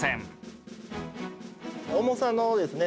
重さのですね